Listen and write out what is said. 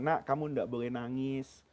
nak kamu nggak boleh nangis